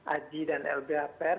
aji dan lbapr